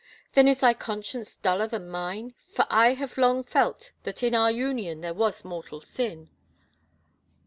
" Then is thy conscience duller than mine, for I have long felt that in our union there was mortal sin."